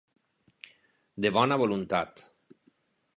De bona voluntat.